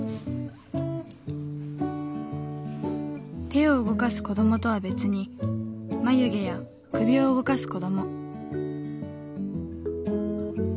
手を動かす子どもとは別に眉毛や首を動かす子ども。